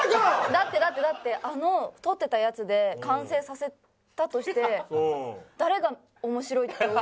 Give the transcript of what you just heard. だってだってだってあの撮ってたやつで完成させたとして誰が面白いって思う？